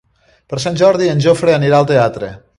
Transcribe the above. Per Sant Jordi en Jofre anirà al teatre.